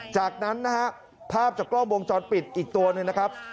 จากนั้นนะฮะภาพจากกล้องวงจรปิดอีกตัวหนึ่งนะครับ